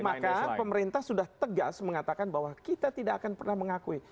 maka pemerintah sudah tegas mengatakan bahwa kita tidak akan pernah mengakui